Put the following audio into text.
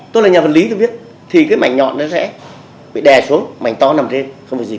tôi là nhà vận lý tôi biết thì cái mảnh nhọn nó sẽ bị đè xuống mảnh to nằm trên không phải gì cả